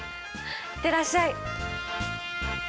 行ってらっしゃい。